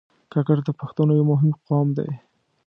کاکړ د پښتنو یو مهم قوم دی.